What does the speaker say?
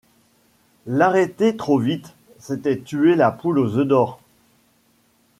L’arrêter trop vite, c’était « tuer la poule aux œufs d’or ».